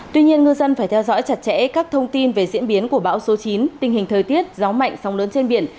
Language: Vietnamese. tuy nhiên ngư dân phải theo dõi chặt chẽ các thông tin về diễn biến của bão số chín tình hình thời tiết gió mạnh sóng lớn trên biển